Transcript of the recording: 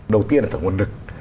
đầu tiên là tổng nguồn lực